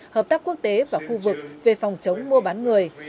hợp tác quốc tế và khu vực về phòng chống mua bán người